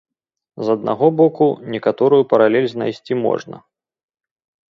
З аднаго боку, некаторую паралель знайсці можна.